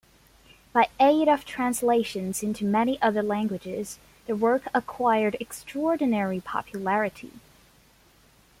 By aid of translations into many other languages, the work acquired extraordinary popularity.